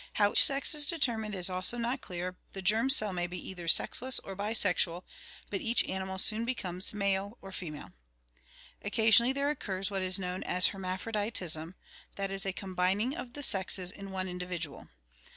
How sex is determined is also not clear; the germ cell may be either sexless or bisexual, but each animal soon becomes male or female. Occasionally there occurs what is known as hermaphroditism (Gr.'E/tyi»}9, Hermes, and *A<f>poS(TTit Aphrodite), that is, a combining of the sexes in one individual.